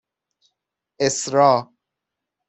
اِسرا